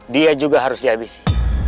dia juga harus dihabisi